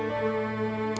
ceng eh tunggu